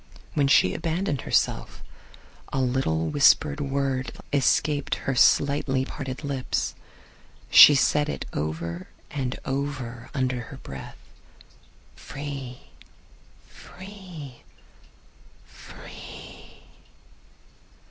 When she abandoned herself a little whispered word escaped her slightly parted lips. She said it over and over under her breath: "free, free, free!"